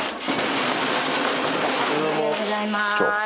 おはようございます。